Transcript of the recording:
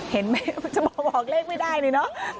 เห็นไหมจะมาบอกเลขไม่ได้เลยเนอะ